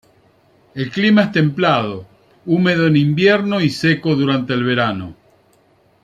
El clima es templado, húmedo en invierno y seco durante el verano.